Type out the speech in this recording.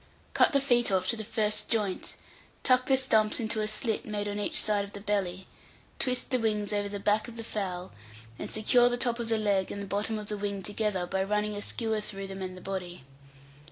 Cut the feet off to the first joint, tuck the stumps into a slit made on each side of the belly, twist the wings over the back of the fowl, and secure the top of the leg and the bottom of the wing together by running a skewer through them and the body.